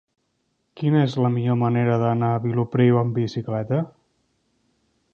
Quina és la millor manera d'anar a Vilopriu amb bicicleta?